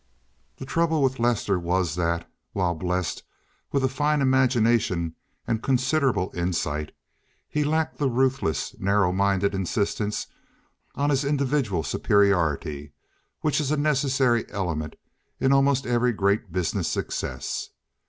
The trouble with Lester was that, while blessed with a fine imagination and considerable insight, he lacked the ruthless, narrow minded insistence on his individual superiority which is a necessary element in almost every great business success.